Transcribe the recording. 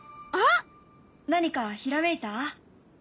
何かひらめいた？